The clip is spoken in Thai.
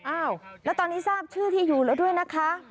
อ้าวแล้วตอนนี้ทราบชื่อที่อยู่แล้วด้วยนะคะ